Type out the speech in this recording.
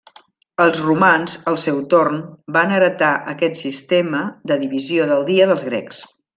Els romans, al seu torn, van heretar aquest sistema de divisió del dia dels grecs.